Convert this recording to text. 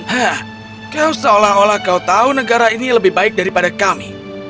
hah kau seolah olah kau tahu negara ini lebih baik daripada kami